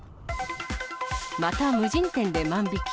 また無人店で万引き。